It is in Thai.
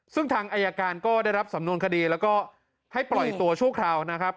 ซึ่งทางอายการก็ได้รับสำนวนคดีแล้วก็ให้ปล่อยตัวชั่วคราวนะครับ